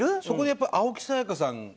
そこでやっぱ青木さやかさん。